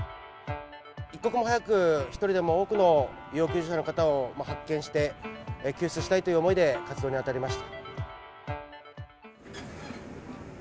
一刻も早く、一人でも多くの要救助者の方を発見して、救出したいという思いで活動に当たりました。